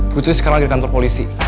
putri sekarang di kantor polisi